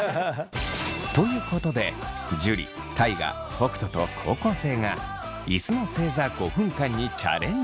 ということで樹大我北斗と高校生が椅子の正座５分間にチャレンジ。